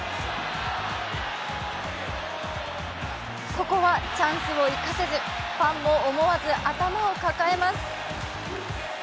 ここはチャンスを生かせずファンも思わず頭を抱えます。